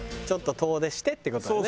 ちょっと遠出してって事だね。